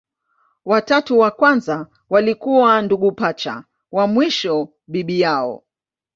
Watatu wa kwanza walikuwa ndugu pacha, wa mwisho bibi yao.